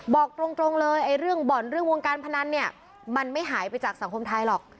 บอกตรงเลยเรื่องบ่อนเรื่องวงการพนันเนี่ยมันไม่หายไปจากสังคมไทยหรอก